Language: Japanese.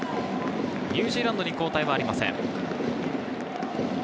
ニュージーランドに交代はありません。